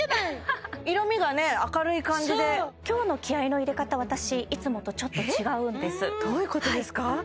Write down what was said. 色みがね明るい感じで今日の気合いの入れ方私いつもとちょっと違うんですどういうことですか？